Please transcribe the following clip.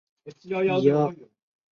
穆雷迪耶人口变化图示